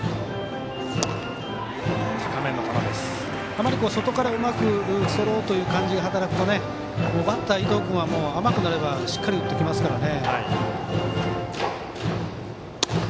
あまり、外からうまく打ち取ろうという気持ちが働くと伊藤君は甘くなればしっかり打ってきますからね。